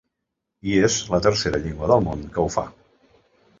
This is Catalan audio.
I és la tercera llengua del món que ho fa.